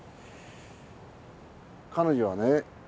彼女はね